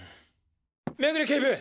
目暮警部！